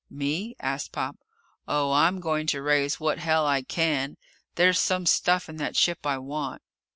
"Me?" asked Pop. "Oh, I'm going to raise what hell I can. There's some stuff in that ship I want."